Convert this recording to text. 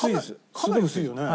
かなり薄いよね。